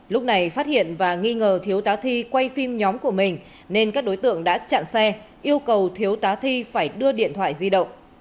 lúc này phát hiện và nghi ngờ thiếu tá thi quay phim nhóm của mình nên các đối tượng đã chặn xe yêu cầu thiếu tá thi phải đưa điện thoại di động